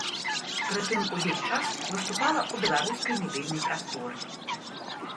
Прытым увесь час выступала ў беларускай медыйнай прасторы.